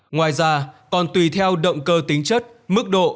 ngoài ra còn tùy theo động cơ tính chất mức độ